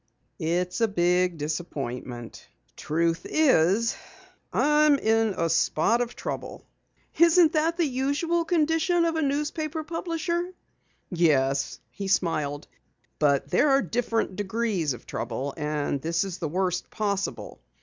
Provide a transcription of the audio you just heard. "It's a big disappointment, Penny. The truth is, I'm in a spot of trouble." "Isn't that the usual condition of a newspaper publisher?" "Yes," he smiled, "but there are different degrees of trouble, and this is the worst possible.